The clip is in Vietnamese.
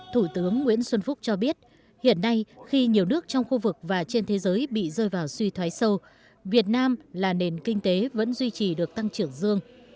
thủ tướng nguyễn xuân phúc cho biết hiện nay khi nhiều nước trong khu vực và trên thế giới bị rơi vào suy thoái sâu việt nam là nền kinh tế vẫn duy trì được tăng trưởng dương